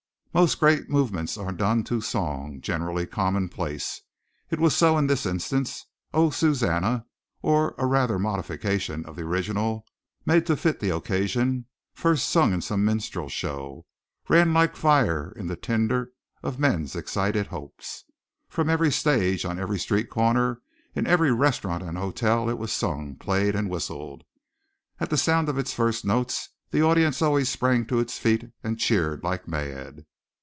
Most great movements are done to song, generally commonplace. It was so in this instance. Oh, Susannah! or rather a modification of the original made to fit the occasion, first sung in some minstrel show, ran like fire in the tinder of men's excited hopes. From every stage, on every street corner, in every restaurant and hotel it was sung, played, and whistled. At the sound of its first notes the audience always sprang to its feet and cheered like mad.